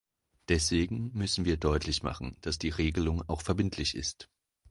Deswegen müssen wir deutlich machen, dass die Regelung auch verbindlich ist.